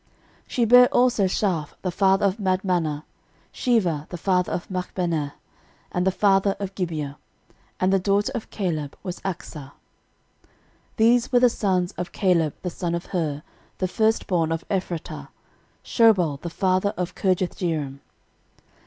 13:002:049 She bare also Shaaph the father of Madmannah, Sheva the father of Machbenah, and the father of Gibea: and the daughter of Caleb was Achsa. 13:002:050 These were the sons of Caleb the son of Hur, the firstborn of Ephratah; Shobal the father of Kirjathjearim.